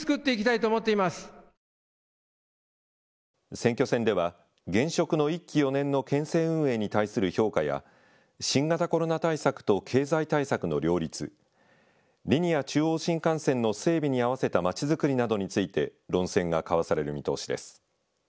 選挙戦では現職の１期４年の県政運営に対する評価や新型コロナ対策と経済対策の両立、リニア中央新幹線の整備にあわせたまちづくりなどについて論戦が交わされる見通しです。